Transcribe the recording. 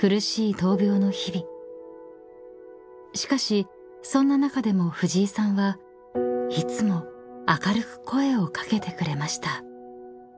［しかしそんな中でも藤井さんはいつも明るく声を掛けてくれました］